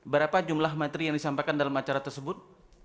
berapa jumlah materi yang disampaikan dalam acara tersebut